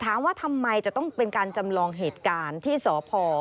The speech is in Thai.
ถามว่าทำไมจะต้องเป็นการจำลองเหตุการณ์ที่สพ